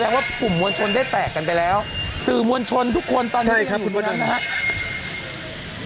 ว่ากลุ่มมวลชนได้แตกกันไปแล้วสื่อมวลชนทุกคนตอนนี้ครับคุณวันนั้นนะครับ